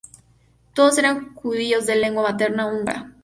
Todos eran judíos de lengua materna húngara.